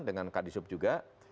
dengan kak disup juga